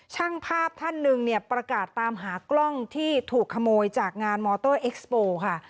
ช่างภาพท่านหนึ่งเนี่ยประกาศตามหากล้องที่ถูกขโมยจากงานมอเตอร์เอ็กซ์โปร์ค่ะ